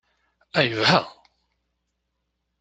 A yebha!